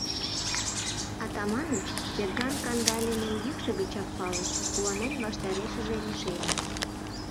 Атаманыч сержант Кандалиным йӱкшӧ гычак палыш, куанен, ваштарешыже лишеме.